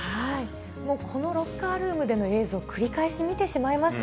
もうこのロッカールームでの映像、繰り返し見てしまいました。